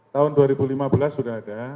tahun dua ribu lima belas sudah ada